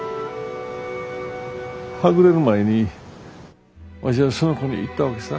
はぐれる前にわしはその子に言ったわけさ。